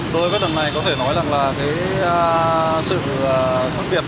đối với tầng này có thể nói là sự khác biệt và cũng như là một cái ưu điểm